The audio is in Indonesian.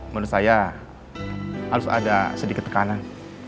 menurut saya harus ada sedikit tekanan